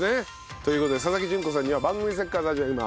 という事で佐々木純子さんには番組ステッカー差し上げます。